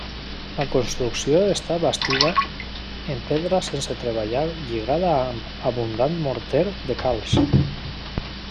La construcció està bastida en pedra sense treballar lligada amb abundant morter de calç.